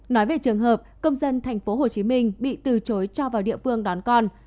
nói về trường hợp công dân thành phố hồ chí minh bị từ chối cho vào địa phương đón con